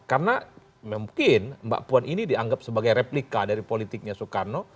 karena mungkin mbak puan ini dianggap sebagai replika dari politiknya soekarno